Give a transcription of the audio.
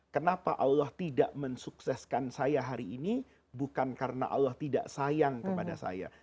kenapa allah tidak mensukseskan saya hari ini bukan karena allah tidak sayang kepada saya